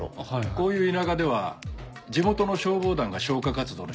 こういう田舎では地元の消防団が消火活動の主力なんや。